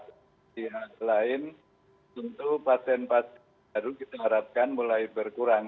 di lain tentu pasien pasien baru kita harapkan mulai berkurang